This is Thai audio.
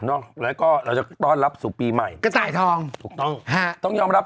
เนาะแล้วก็เราจะต้อนรับสู่ปีใหม่กระต่ายทองถูกต้องฮะต้องยอมรับ